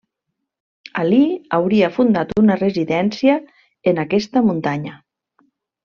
Alí hauria fundat una residència en aquesta muntanya.